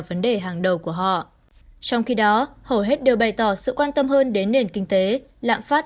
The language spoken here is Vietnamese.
vấn đề hàng đầu của họ trong khi đó hầu hết đều bày tỏ sự quan tâm hơn đến nền kinh tế lạm phát